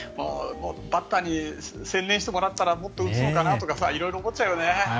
バッターに専念してもらったらもっと打つのかなとか色々思っちゃうよね。